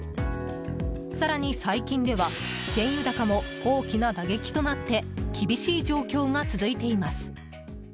更に、最近では原油高も大きな打撃となって厳しい状況が続いています。